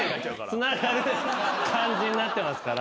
つながる感じになってますから。